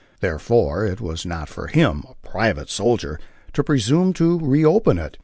Therefore, it was not for him, a private soldier, to presume to reopen it.